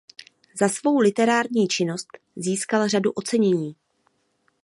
Za svou literární činnost získal řadu ocenění.